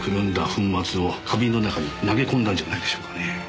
粉末を花瓶の中に投げ込んだんじゃないでしょうかね。